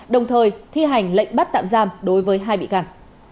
đồng thời thi hành lệnh bắt tạm giam đối với hai bị can